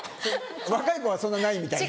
若い子はそんなないみたい。